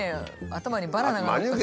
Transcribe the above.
頭にバナナが。